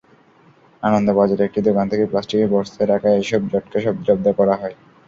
আনন্দবাজারের একটি দোকান থেকে প্লাস্টিকের বস্তায় রাখা এসব জাটকা জব্দ করা হয়।